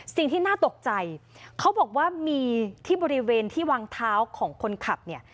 สิ่งที่น่าตกใจเขาบอกว่ามีที่บริเวณที่วางเท้าของคนขับเนี่ย